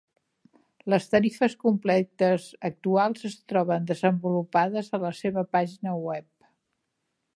Les tarifes completes actuals es troben desenvolupades a la seva pàgina web.